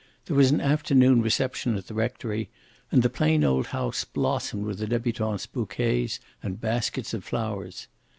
There was an afternoon reception at the rectory, and the plain old house blossomed with the debutante's bouquets and baskets of flowers.